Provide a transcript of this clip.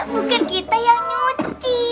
bukan kita yang nyuci